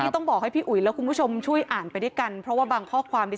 ต้องบอกให้พี่อุ๋ยและคุณผู้ชมช่วยอ่านไปด้วยกันเพราะว่าบางข้อความนี้